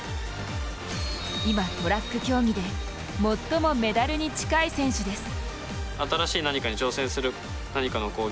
今、トラック競技で最もメダルに近い選手です。